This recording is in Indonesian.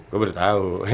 gue baru tahu